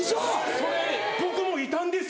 それ僕もいたんです。